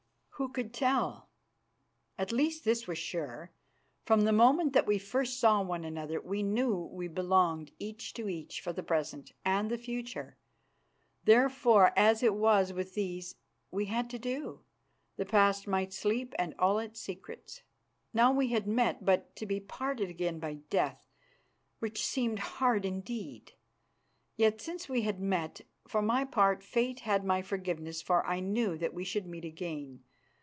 Who could tell? At least this was sure, from the moment that first we saw one another we knew we belonged each to each for the present and the future. Therefore, as it was with these we had to do, the past might sleep and all its secrets. Now we had met but to be parted again by death, which seemed hard indeed. Yet since we had met, for my part Fate had my forgiveness for I knew that we should meet again.